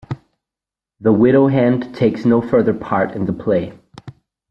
The widow hand takes no further part in the play.